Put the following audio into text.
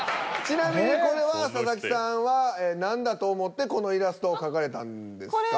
ちなみにこれは佐々木さんは何だと思ってこのイラストを描かれたんですか？